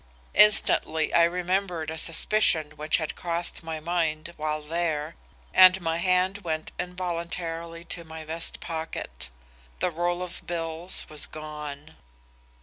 "Instantly I remembered a suspicion which had crossed my mind while there, and my hand went involuntarily to my vest pocket. The roll of bills was gone.